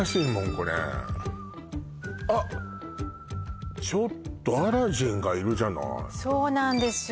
これあっちょっとアラジンがいるじゃないそうなんですよ